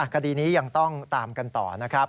คดีนี้ยังต้องตามกันต่อนะครับ